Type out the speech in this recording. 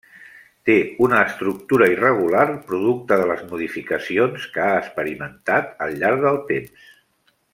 Té una estructura irregular, producte de les modificacions que ha experimentat al llarg del temps.